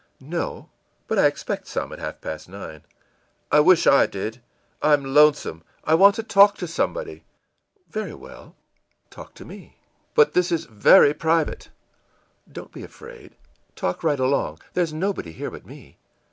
î ìNo, but I expect some at half past nine.î ìI wish I did. I'm lonesome. I want to talk to somebody.î ìVery well, talk to me.î ìBut this is very private.î ìDon't be afraid talk right along, there's nobody here but me.